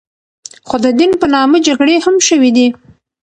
خو د دین په نامه جګړې هم شوې دي.